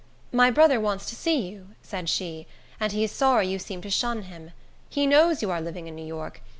"My brother wants to see you," said she, "and he is sorry you seem to shun him. He knows you are living in New York.